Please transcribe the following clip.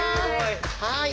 はい。